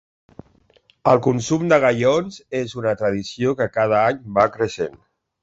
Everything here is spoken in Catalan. El consum de gallons és una tradició que cada any va creixent.